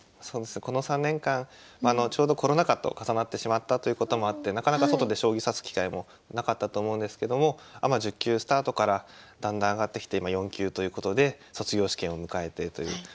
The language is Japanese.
そうですねこの３年間ちょうどコロナ禍と重なってしまったということもあってなかなか外で将棋指す機会もなかったと思うんですけどもアマ１０級スタートからだんだん上がってきて今４級ということで卒業試験を迎えてという。